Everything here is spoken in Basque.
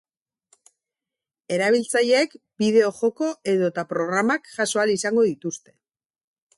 Erabiltzaileek bideo-joko edota programak jaso ahal izango dituzte.